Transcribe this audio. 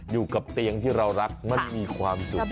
อยู่กับเตียงที่เรารักมันมีความสุข